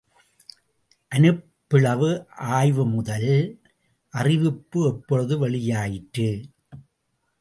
அனுப்பிளவு ஆய்வு முதல் அறிவிப்பு எப்பொழுது வெளியாயிற்று?